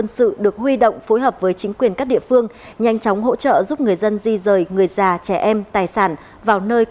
xin chào các bạn